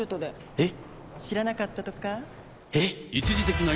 えっ！